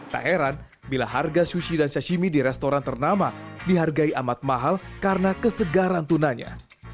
tak heran bila harga sushi dan sashimi di restoran ternama dihargai amat mahal karena kesegaran tunanya